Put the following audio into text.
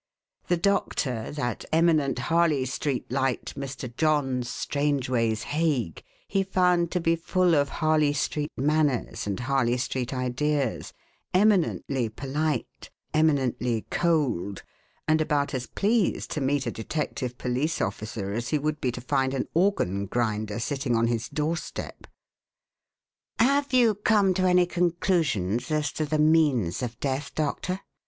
The doctor that eminent Harley Street light, Mr. John Strangeways Hague he found to be full of Harley Street manners and Harley Street ideas, eminently polite, eminently cold, and about as pleased to meet a detective police officer as he would be to find an organ grinder sitting on his doorstep. "Have you come to any conclusions as to the means of death, Doctor?"